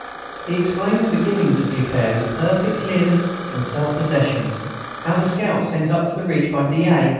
He explained the beginnings of the affair with perfect clearness and self possession; how the scouts sent up to the ridge by d'A.